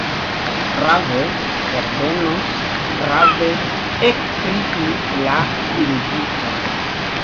Brave, Herbeno, brave, ekkriis la juĝisto.